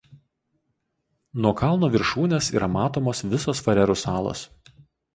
Nuo kalno viršūnės yra matomos visos Farerų salos.